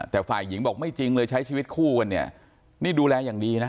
แต่ฝ่ายหญิงบอกไม่จริงเลยใช้ชีวิตคู่กันเนี่ยนี่ดูแลอย่างดีนะ